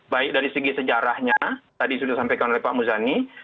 baik dari segi sejarahnya tadi sudah disampaikan oleh pak muzani